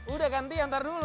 udah ganti antar dulu